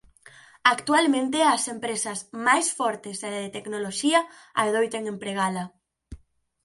Actualmente as empresas máis fortes e de tecnoloxía adoitan empregala.